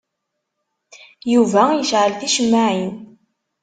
Yuba yecɛel ticemmaɛin.